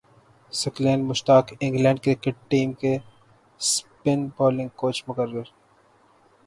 ثقلین Mushtaq England cricket team کے spin bowling coach مقرر